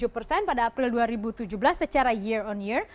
tujuh persen pada april dua ribu tujuh belas secara year on year